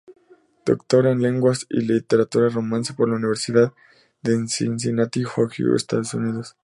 Doctor en Lenguas y Literaturas Romance por la Universidad de Cincinnati, Ohio, Estados Unidos.